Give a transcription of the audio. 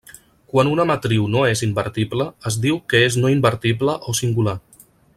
Quan una matriu no és invertible, es diu que és no invertible o singular.